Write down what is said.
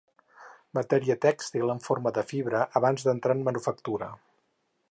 Matèria tèxtil en forma de fibra abans d'entrar en manufactura.